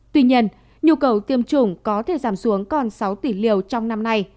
tuy nhiên nhu cầu tiêm chủng có thể giảm xuống còn sáu tỷ liều trong năm nay